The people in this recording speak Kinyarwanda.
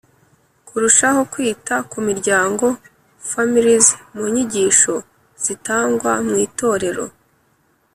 Kurushaho kwita ku miryango Families mu nyigisho zitangwa mu Itorero